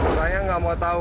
saya gak mau tahu